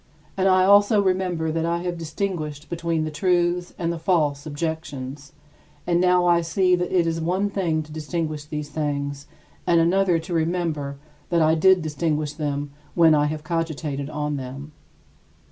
And I also remember that I have distinguished between the truths and the false objections, and now I see that it is one thing to distinguish these things and another to remember that I did distinguish them when I have cogitated on them.